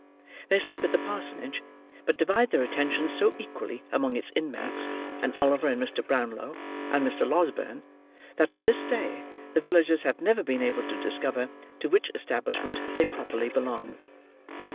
They sleep at the parsonage, but divide their attentions so equally among its inmates, and Oliver and Mr. Brownlow, and Mr. Losberne, that to this day the villagers have never been able to discover to which establishment they properly belong.